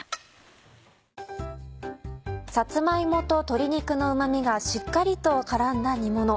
さつま芋と鶏肉のうま味がしっかりと絡んだ煮もの。